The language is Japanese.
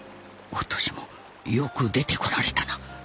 お敏もよく出てこられたな。